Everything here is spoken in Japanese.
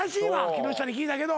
木下に聞いたけど。